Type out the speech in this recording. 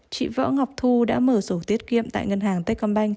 chị võ ngọc thu đã mở sổ tiết kiệm tại ngân hàng tây còn banh